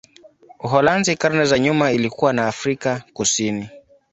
Uholanzi karne za nyuma ilikuwa na Afrika Kusini.